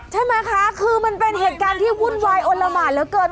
ใช่ไหมคะคือมันเป็นเหตุการณ์ที่วุ่นวายอลละหมานเหลือเกิน